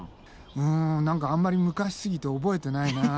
うん何かあんまり昔すぎて覚えてないなあ。